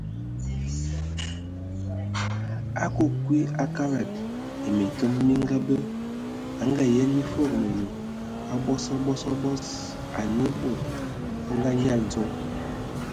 A a akǝ kwi a Kabad ai Mintomba mi ngabǝ, a Ngaayen mi foogo menyu, a bogos, bogos, bogos, anǝ e bod bə anyali dzom.